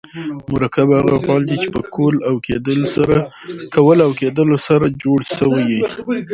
مرکب هغه افعال دي، چي په کول او کېدل سره جوړ سوي یي.